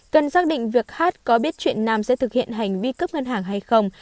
cần xác định việc hát có biết chuyện nam sẽ thực hiện hành vi cướp ngân hàng hay không